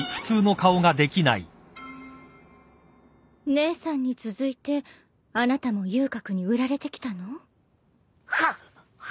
姉さんに続いてあなたも遊郭に売られてきたの？ははい。